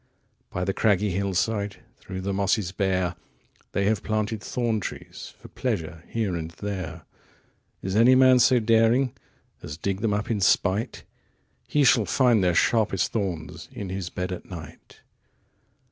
40 By the craggy hill side, Through the mosses bare, They have planted thorn trees For pleasure here and there. If any man so daring 45 As dig them up in spite, He shall find their sharpest thorns In his bed at night.